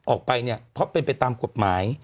ออกไปเนี่ยเพราะเป็นไปตามกฎหมาย